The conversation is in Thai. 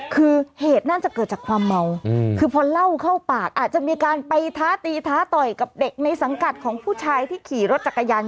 คือเหตุน่าจะเกิดจากความเมาคือพอเล่าเข้าปากอาจจะมีการไปท้าตีท้าต่อยกับเด็กในสังกัดของผู้ชายที่ขี่รถจักรยาน